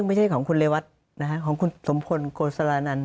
ไม่ใช่ของคุณจะวัตต์นะคะของคุณสมพลโกสรานันทร์